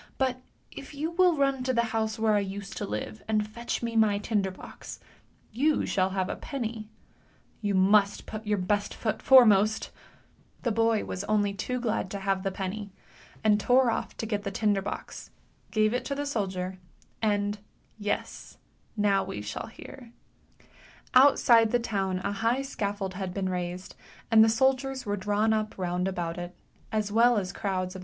But if you will run to the house where I used to five, and fetch me my tinder box, vou shall have a pennv! You must put your best foot foremost The 5 only too glad to have the penny, and tore off to get the tinder box, gave it to the soldier, and — yes now we Outside the town a high scaffold had been raised, and the re drawn up round about it II as crowds of the THE PRINCESS CAME OUT OF THE COPPER PALACE.